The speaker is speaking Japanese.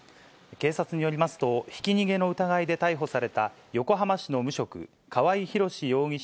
警察によりますと、ひき逃げの疑いで逮捕された、横浜市の無職、川合広司容疑者